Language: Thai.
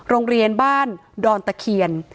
โรงเรียนบ้านดอนตะเคียน